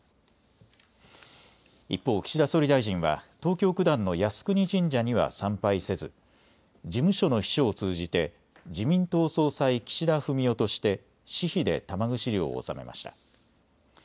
一方、岸田総理大臣は東京九段の靖国神社には参拝せず事務所の秘書を通じて自民党総裁・岸田文雄として私費で玉串料を納めました。